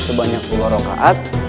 sebanyak dua rokat